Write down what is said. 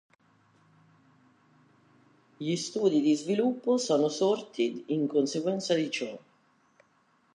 Gli studi di sviluppo sono sorti in conseguenza di ciò.